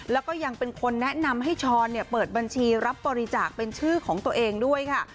แล้วก็ยังเป็นคนแนะนำให้ช้อนเปิดบัญชีรับบริจาคเป็นชื่อของตัวเองด้วยค่ะ